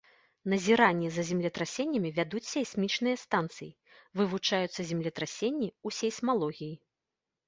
Назіранні за землетрасеннямі вядуць сейсмічныя станцыі, вывучаюцца землетрасенні ў сейсмалогіі.